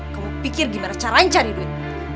kamu pikir gimana caranya cari duit